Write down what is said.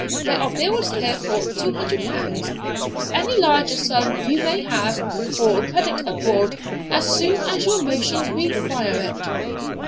There are bills here for L200; any larger sum you may have, or credit abroad, as soon as your motions require it.'